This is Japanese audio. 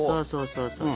そうそう。